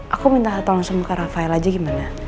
aku minta tolong sama kak rafael aja gimana